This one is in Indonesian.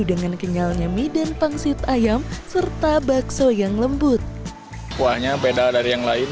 dengan kenyalnya mie dan pangsit ayam serta bakso yang lembut kuahnya beda dari yang lain